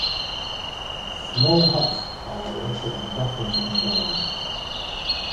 Small huts are erected on platforms in gardens.